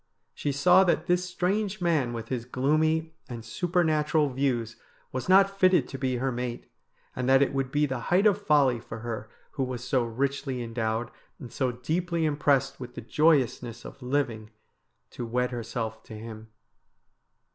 She saw that this strange man with his gloomy and supernatural views was not fitted to be her mate, and that it would be the height of folly for her who was so richly endowed, and so deeply impressed with the joyousness of living, to wed herself to him.